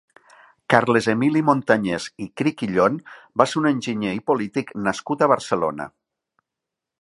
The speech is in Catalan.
Carles Emili Montañès i Criquillion va ser un enginyer i polític nascut a Barcelona.